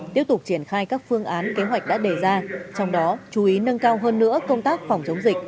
tiếp tục triển khai các phương án kế hoạch đã đề ra trong đó chú ý nâng cao hơn nữa công tác phòng chống dịch